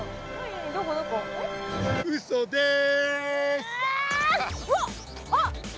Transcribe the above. うっそです！